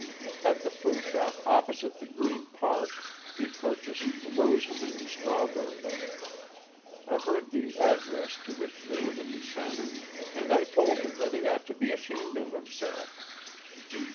At the fruit shop opposite the Green Park he pur chased roses and strawberries. I heard the address to which they were to be sent, and I told him that he ought to be ashamed of himself.